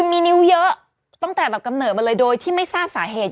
มีนิ้วเยอะตั้งแต่แบบกำเนิดมาเลยโดยที่ไม่ทราบสาเหตุ